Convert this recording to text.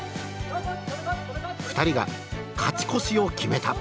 ２人が勝ち越しを決めた。